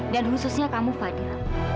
dan khususnya kamu fadil